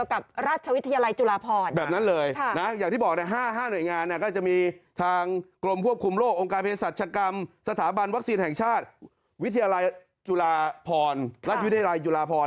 ยุลาพรราชวิทยาลัยยุลาพร